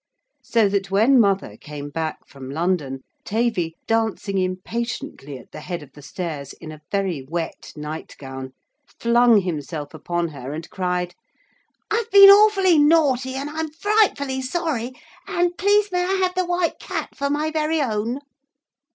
So that when mother came back from London, Tavy, dancing impatiently at the head of the stairs, in a very wet night gown, flung himself upon her and cried, 'I've been awfully naughty, and I'm frightfully sorry, and please may I have the White Cat for my very own?'